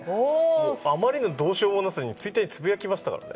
あまりのどうしようもなさにツイッターでつぶやきましたからね。